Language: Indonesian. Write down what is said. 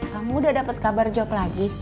kamu udah dapat kabar job lagi